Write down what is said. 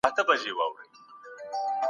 پښتو د اسلام په خدمت کې ده.